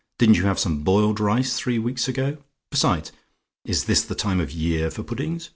Didn't you have some boiled rice three weeks ago? Besides, is this the time of the year for puddings?